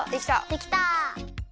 できた！